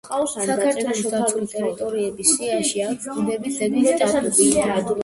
საქართველოს დაცული ტერიტორიების სიაში აქვს ბუნების ძეგლის სტატუსი.